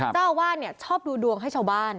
เจ้าอาวาสชอบดูดวงให้ชาวบ้าน